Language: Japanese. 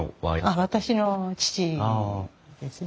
あっ私の父ですね。